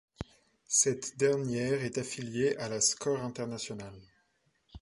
Cette dernière est affiliée à la Score Internationale.